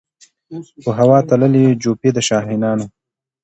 په هوا تللې جوپې د شاهینانو